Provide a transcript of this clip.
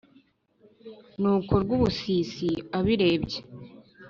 Nuko Rwubusisi abirebye,